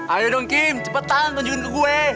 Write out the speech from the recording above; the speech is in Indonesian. ayo dong kim cepetan tunjukin gue